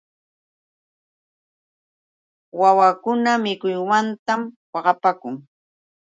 Wawakuna mikuymanta waqapaakun.